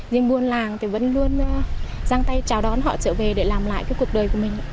nhưng buôn làng vẫn luôn giang tay chào đón họ trở về để làm lại cuộc đời của mình